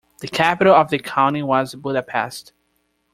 The capital of the county was Budapest.